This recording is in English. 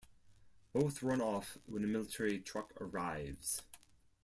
Both run off when a military truck arrives.